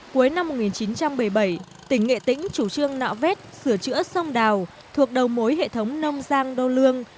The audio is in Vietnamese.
cuối năm một nghìn chín trăm bảy mươi bảy tỉnh nghệ tĩnh chủ trương nạo vét sửa chữa sông đào thuộc đầu mối hệ thống nông giang đô lương